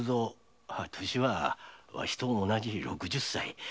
歳はわしと同じ六十歳。